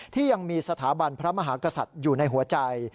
ที่ยังมีสถาบันพระมหากษัตริย์อยู่ในหัวใจ